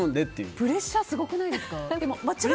プレッシャーがすごくないですか？